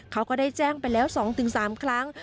ก็ได้แจ้งไปแล้ว๒๓ครั้ง